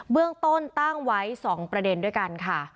เรื่องต้นตั้งไว้๒ประเด็นด้วยกันค่ะ